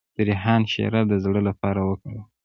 د ریحان شیره د زړه لپاره وکاروئ